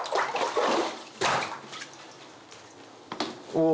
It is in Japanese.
お！